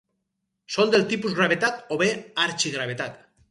Són del tipus gravetat o bé arxigravetat.